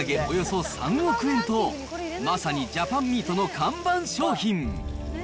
およそ３億円と、まさにジャパンミートの看板商品。